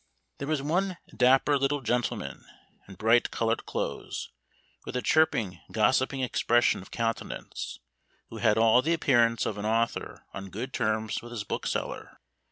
There was one dapper little gentleman in bright colored clothes, with a chirping gossiping expression of countenance, who had all the appearance of an author on good terms with his bookseller.